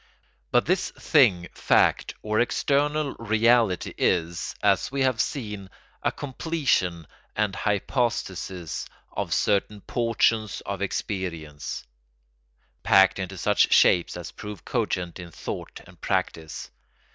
But this thing, fact, or external reality is, as we have seen, a completion and hypostasis of certain portions of experience, packed into such shapes as prove cogent in thought and practice.